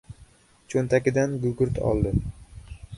Cho‘ntagidan gugurt oldi.